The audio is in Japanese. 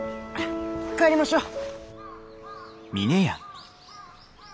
帰りましょう。